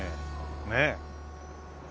ねえ。